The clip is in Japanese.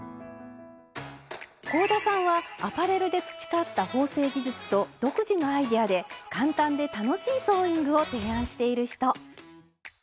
香田さんはアパレルで培った縫製技術と独自のアイデアで簡単で楽しいソーイングを提案している人。